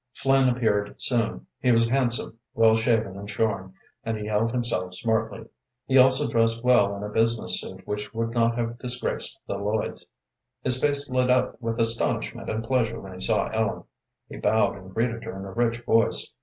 Flynn appeared soon. He was handsome, well shaven and shorn, and he held himself smartly. He also dressed well in a business suit which would not have disgraced the Lloyds. His face lit up with astonishment and pleasure when he saw Ellen. He bowed and greeted her in a rich voice.